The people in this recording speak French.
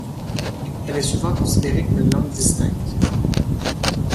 Elle est souvent considérée comme une langue distincte.